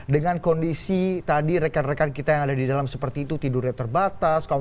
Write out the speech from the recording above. dengan kondisi tadi rekan rekan kita yang ada di dalam seperti itu tidurnya terbatas